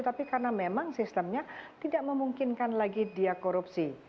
tapi karena memang sistemnya tidak memungkinkan lagi dia korupsi